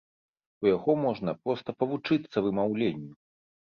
У яго можна проста павучыцца вымаўленню!